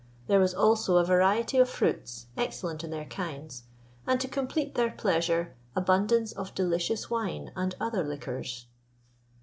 There was also a variety of fruits, excellent in their kinds; and, to complete their pleasure, abundance of delicious wine and other liquors.